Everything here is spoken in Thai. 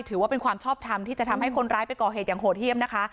ถือว่าเป็นความชอบทำที่จะทำให้คนร้ายไปก่อเหตุอย่างโหดเยี่ยมนะคะ